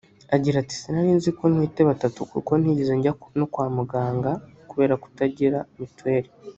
Agira ati “Sinari nzi ko ntwite batatu kuko ntigeze njya no kwa muganga kubera kutagira mituweri